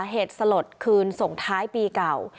เหตุสลดคืนส่งท้ายปีเก่า